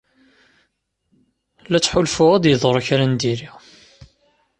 La ttḥulfuɣ ad yeḍru kra n diri.